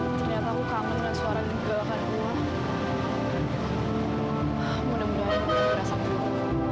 mudah mudahan kamu akan merasakannya